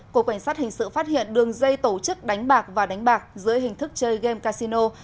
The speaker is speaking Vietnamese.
cục cảnh sát hình sự phát hiện đường dây tổ chức đánh bạc và đánh bạc dưới hình thức chơi game casino